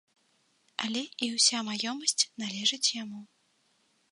Але і ўся маёмасць належыць яму.